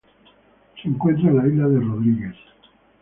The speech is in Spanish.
Se encuentra en la Isla de Rodrigues.